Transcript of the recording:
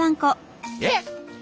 えっ！？